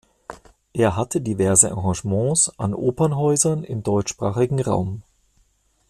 Er hatte diverse Engagements an Opernhäusern im deutschsprachigen Raum.